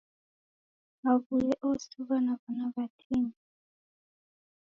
Aw'uye osighwa na w'ana w'atini.